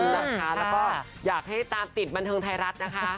คือแหละค่ะแล้วก็อยากให้ตามติดบันเทิงไทยรัฐนะคะ